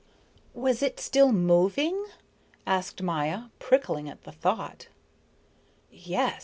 "Was it still moving?" asked Maya, prickling at the thought. "Yes.